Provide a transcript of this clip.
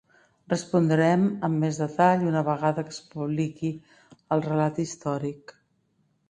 Respondrem amb més detall una vegada que es publiqui el relat històric.